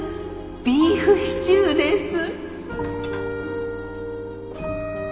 ビーフシチューです。